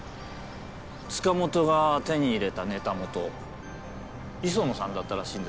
塚本が手に入れたネタ元磯野さんだったらしいんですよ。